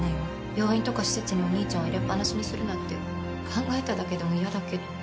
病院とか施設にお兄ちゃんを入れっぱなしにするなんて考えただけでも嫌だけど。